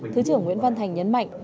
thứ trưởng nguyễn văn thành nhấn mạnh